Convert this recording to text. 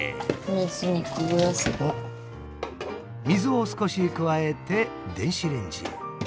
水を少し加えて電子レンジへ。